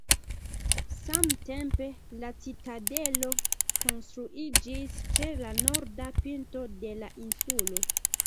Samtempe la citadelo konstruiĝis ĉe la norda pinto de la insulo.